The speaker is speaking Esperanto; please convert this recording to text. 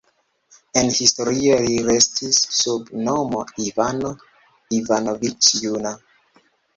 En historio li restis sub nomo "Ivano Ivanoviĉ Juna".